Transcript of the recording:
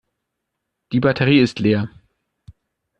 Die Batterie ist leer.